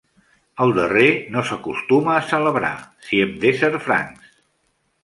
El darrer no s'acostuma a celebrar, si hem d'ésser francs.